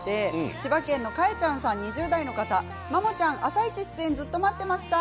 千葉県２０代の方マモちゃん「あさイチ」出演ずっと待っていました。